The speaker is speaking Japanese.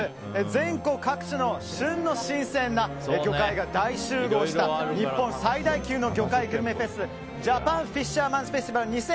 全国各地の旬の新鮮な魚介が大集合した日本最大級の魚介グルメフェスジャパンフィッシャーマンズフェスティバル２０２２